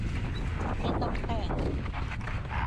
ไม่ต้องแต่ง